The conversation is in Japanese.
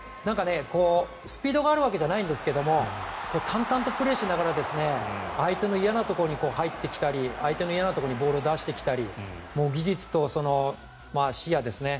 スピードがあるわけじゃないんですけど淡々とプレーしながら相手の嫌なところに入ってきたり相手の嫌なところにボールを出してきたり技術と視野ですね。